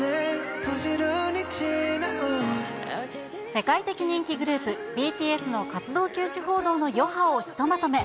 世界的人気グループ、ＢＴＳの活動休止報道の余波をひとまとめ。